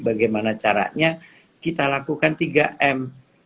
bagaimana caranya kita lakukan tiga m